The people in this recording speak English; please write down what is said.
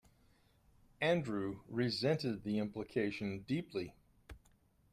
Andrew resented the implication deeply.